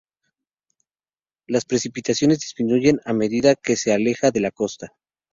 Las precipitaciones disminuyen a medida que se aleja de la costa.